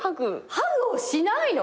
ハグをしないの！？